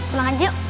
udah kan yuk